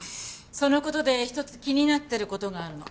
その事で一つ気になってる事があるの。